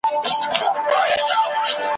د څپو د زور یې نه ول مړوندونه `